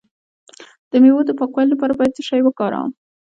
د میوو د پاکوالي لپاره باید څه شی وکاروم؟